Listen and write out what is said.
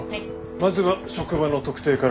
まずは職場の特定から。